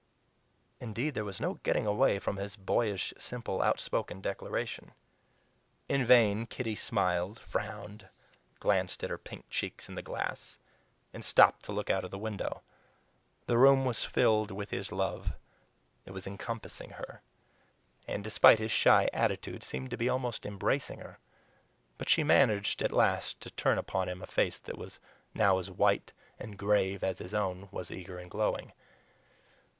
Indeed, there was no getting away from his boyish, simple, outspoken declaration. In vain Kitty smiled, frowned, glanced at her pink cheeks in the glass, and stopped to look out of the window. The room was filled with his love it was encompassing her and, despite his shy attitude, seemed to be almost embracing her. But she managed at last to turn upon him a face that was now as white and grave as his own was eager and glowing.